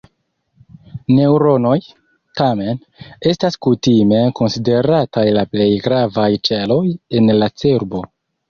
Neŭronoj, tamen, estas kutime konsiderataj la plej gravaj ĉeloj en la cerbo.